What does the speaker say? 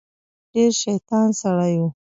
ډیر شیطان سړی و.